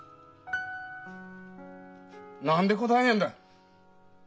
何で答えねえんだ？